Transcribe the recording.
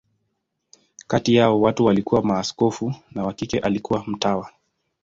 Kati yao, watatu walikuwa maaskofu, na wa kike alikuwa mtawa.